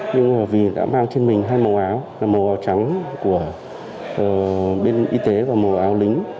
nhưng vì đã mang trên mình hai màu áo là màu trắng của bên y tế và màu áo lính